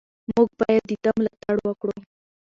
موږ باید د ده ملاتړ وکړو.